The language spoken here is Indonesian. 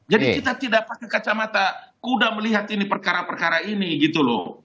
jadi kita tidak pakai kacamata kuda melihat ini perkara perkara ini gitu loh